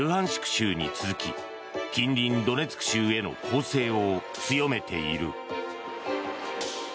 州に続き近隣ドネツク州への攻勢を強めている。